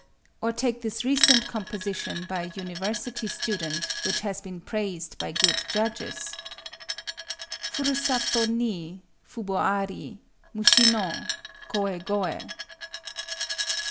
Or take this recent composition, by a University student, which has been praised by good judges:— Furusato ni Fubo ari—mushi no Koë goë!